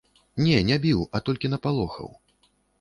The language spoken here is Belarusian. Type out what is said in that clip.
Не, не біў, а толькі напалохаў.